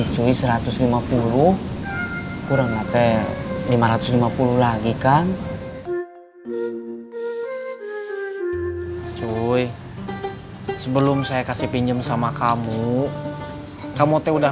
cui satu ratus lima puluh kurang later lima ratus lima puluh lagi kan cuy sebelum saya kasih pinjam sama kamu kamu teh udah